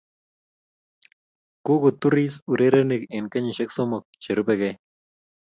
kukutuiris urerenik eng kenyishe somok che rubekei